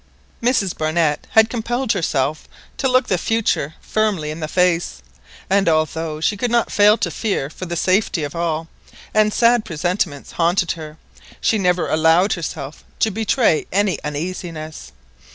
Mrs Barnett had compelled herself to look the future firmly in the face, and although she could not fail to fear for the safety of all, and sad presentiments haunted her, she never allowed herself to betray any uneasiness.